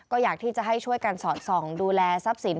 ก็อยากที่จะให้ช่วยกันสอดส่องดูแลทรัพย์สิน